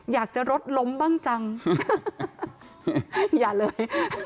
อยากจะรถล้มบ้างจังอย่าเลย